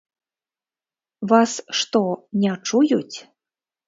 Вас што, не чуюць?